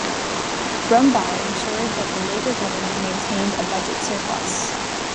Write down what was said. Brumby ensured that the Labor Government maintained a budget surplus.